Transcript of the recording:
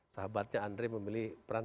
sahabatnya andre memilih peran